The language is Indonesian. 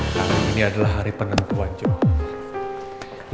hari ini adalah hari penentuan joe